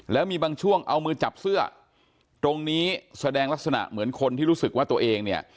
แล้วมีบางช่วงเอามือจับเสื้อตรงนี้แสดงลักษณะเหมือนคนที่รู้สึกว่าตัวเองเนี่ย